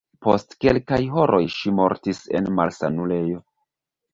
Post kelkaj horoj ŝi mortis en malsanulejo.